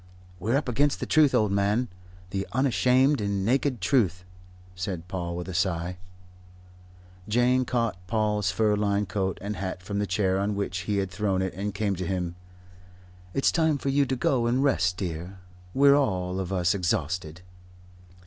"We're up against the Truth, old man, the unashamed and naked truth," said Paul, with a sigh. Jane caught Paul's fur lined coat and hat from the chair on which he had thrown it and came to him. "It's time for you to go and rest, dear. We're all of us exhausted."